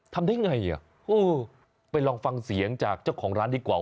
ทำได้ไงอ่ะเออไปลองฟังเสียงจากเจ้าของร้านดีกว่า